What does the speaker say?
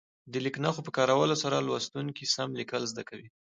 د لیک نښو په کارولو سره لوستونکي سم لیکل زده کوي.